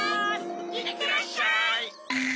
いってらっしゃい。